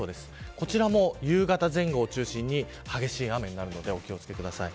こちらも夕方前後を中心に激しい雨になるのでお気を付けください。